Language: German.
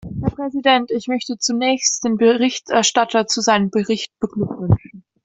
Herr Präsident, ich möchte zunächst den Berichterstatter zu seinem Bericht beglückwünschen.